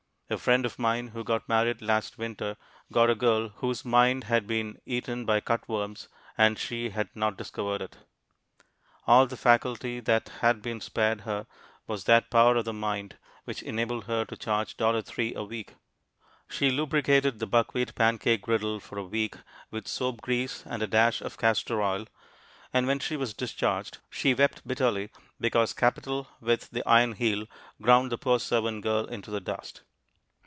A friend of mine who got married last winter got a girl whose mind had been eaten by cut worms and she had not discovered it. All the faculty that had been spared her was that power of the mind which enabled her to charge $3 a week. She lubricated the buckwheat pancake griddle for a week with soap grease and a dash of castor oil, and when she was discharged she wept bitterly because capital with the iron heel ground the poor servant girl into the dust.